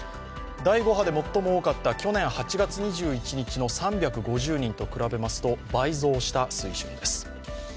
第５波で最も多かった去年の８月２１日の３５０人と比べますと倍増した水準です。